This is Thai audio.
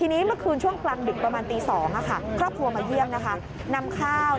ในห้องคุมขังนี่แหละค่ะ